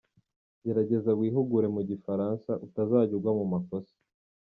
Gerageza wihugure mu gifaransa, utazajya ugwa mu makosa.